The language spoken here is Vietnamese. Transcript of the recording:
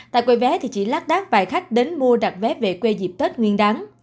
tại quầy vé thì chỉ lát đát vài khách đến mua đặt vé về quê dịp tết nguyên đáng